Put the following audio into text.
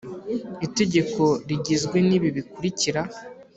Itegeko rigizwe n’ibi bikurikira